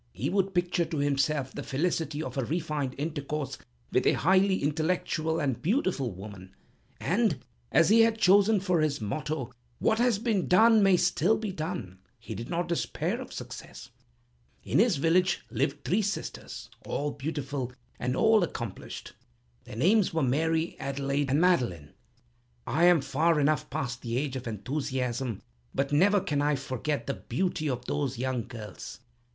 He would picture to himself the felicity of a refined intercourse with a highly intellectual and beautiful woman, and, as he had chosen for his motto, What has been done may still be done, he did not despair of success. In this village lived three sisters, all beautiful and all accomplished. Their names were Mary, Adelaide, and Madeleine. I am far enough past the age of enthusiasm, but never can I forget the beauty of those young girls.